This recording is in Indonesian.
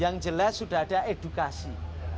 yang jelas sudah ada edukasi